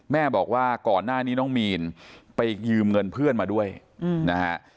แม่บอกว่าก่อนหน้านี้น้องมีนไปยืมเงินเพื่อนมาด้วยนะฮะ